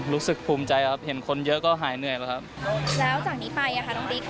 รู้สึกภูมิใจครับเห็นคนเยอะก็หายเหนื่อยแล้วครับแล้วจากนี้ไปอ่ะค่ะน้องติ๊กค่ะ